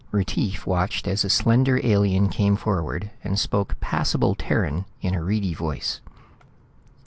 Retief watched as a slender alien came forward and spoke passable Terran in a reedy voice.